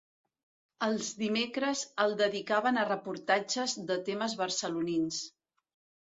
Els dimecres el dedicaven a reportatges de temes barcelonins.